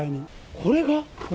これが？